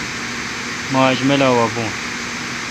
مہ آج میلہ وا بون۔